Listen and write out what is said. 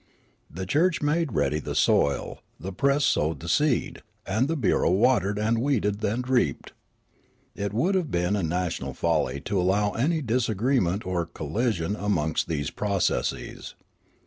The church made ready the soil, the press sowed the seed, and the bureau watered and weeded and reaped. It would have been a national folly to allow any disagreement or collision amongst these processes.